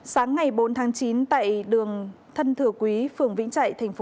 sáng ngày bốn tháng chín tại đường thân thừa quý phường vĩnh chạy thành phố lạng sơn